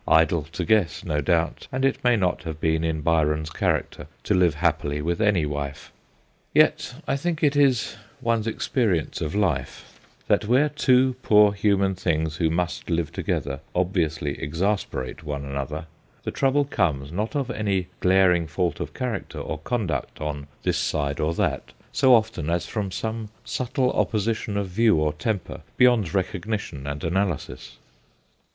Idle to guess, no doubt, and it may not have been in Byron's character to live happily with any wife. Yet I think it is one's experience of life that 152 THE GHOSTS OF PICCADILLY where two poor human things who must live together obviously exasperate one another, the trouble comes not of any glaring fault of character or conduct on this side or that so often as from some subtle opposition of view or temper beyond recognition and analysis.